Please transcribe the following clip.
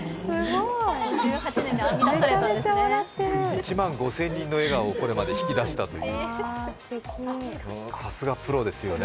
１万５０００人の笑顔をこれまでに引き出したというさすがプロですよね。